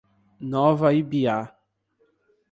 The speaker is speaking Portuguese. Nova Ibiá